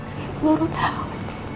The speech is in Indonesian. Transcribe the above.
saya baru tahu